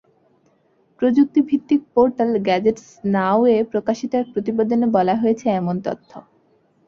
প্রযুক্তিভিত্তিক portal gadgets now এ প্রকাশিত এক প্রতিবেদনে বলা হয়েছে এমন তথ্য।